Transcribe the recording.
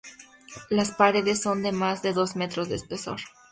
Las paredes son de más de dos metros de espesor.